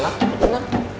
kayak tila gue denger